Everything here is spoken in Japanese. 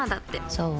そう？